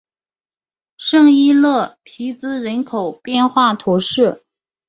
圣伊勒皮兹人口变化图示